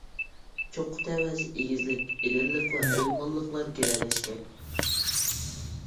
چوققا تەۋەسى ئېگىزلىك، ئېدىرلىق ۋە ئويمانلىقلار گىرەلەشكەن.